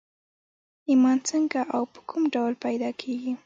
ايمان څنګه او په کوم ډول پيدا کېږي؟